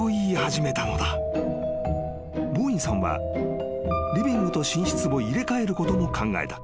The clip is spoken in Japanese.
［ボーインさんはリビングと寝室を入れ替えることも考えた］